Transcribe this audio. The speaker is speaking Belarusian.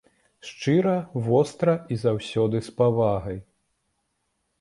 Шчыра, востра і заўсёды з павагай.